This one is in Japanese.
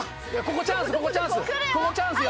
ここチャンス